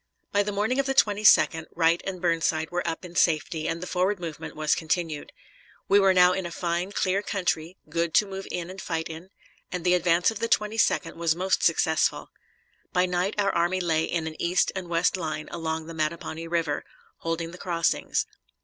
By the morning of the 22d Wright and Burnside were up in safety, and the forward movement was continued. We were now in a fine, clear country, good to move in and fight in, and the advance of the 22d was most successful. By night our army lay in an east and west line along the Mattapony River, holding the crossings.